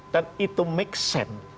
dan itu make sense